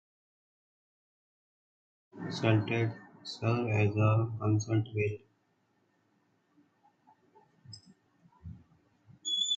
The current Saltair serves as a concert venue.